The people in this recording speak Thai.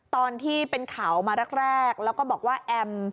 ตอนที่เป็นข่าวมาแรกแล้วก็บอกว่าแอม